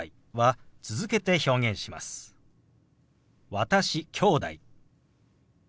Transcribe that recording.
「私」「きょうだい」。